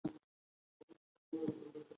د بلشویک انقلاب په پایله کې کورنۍ جګړه پیل شوه.